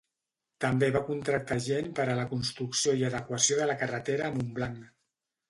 També va contractar gent per a la construcció i adequació de la carretera a Montblanc.